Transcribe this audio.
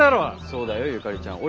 そうだよゆかりちゃん。